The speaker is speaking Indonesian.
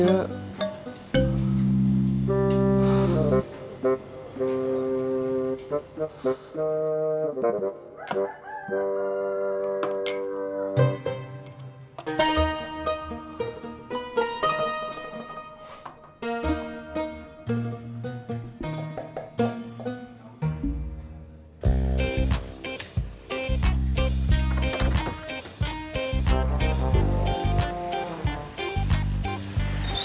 semoga tidak terjadi apa apa sama kamunya